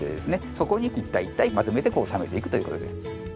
そこに一体一体まとめて納めていくという事です。